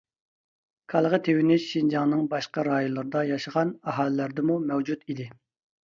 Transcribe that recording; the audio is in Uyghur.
كالىغا تېۋىنىش شىنجاڭنىڭ باشقا رايونلىرىدا ياشىغان ئاھالىلەردىمۇ مەۋجۇت ئىدى.